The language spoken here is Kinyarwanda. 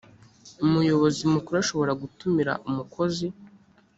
umuyobozi mukuru ashobora gutumira umukozi